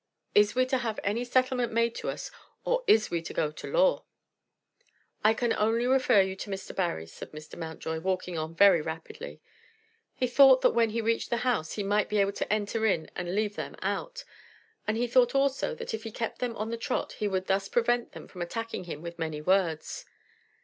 Is we to have any settlement made to us, or is we to go to law?" "I can only refer you to Mr. Barry," said Mountjoy, walking on very rapidly. He thought that when he reached the house he might be able to enter in and leave them out, and he thought also that if he kept them on the trot he would thus prevent them from attacking him with many words.